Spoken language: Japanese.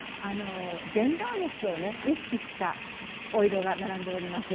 ジェンダーレスを意識したお色が並んでおります。